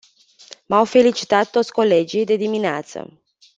M-au felicitat toți colegii, de dimineață.